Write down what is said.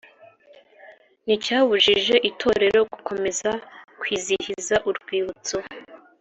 nticyabujije itorero gukomeza kwizihiza Urwibutso